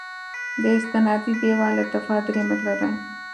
د استنادي دیوال ارتفاع درې متره ده